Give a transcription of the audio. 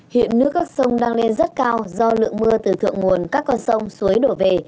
hiện nước các sông đang lên rất cao do lượng mưa từ thượng nguồn các con sông suối đổ về